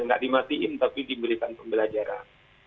nggak dimatiin tapi diberikan pembelajaran